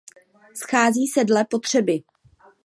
Schází se dle potřeby.